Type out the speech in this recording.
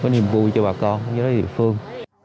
niềm vui cho bà con cho đối tượng địa phương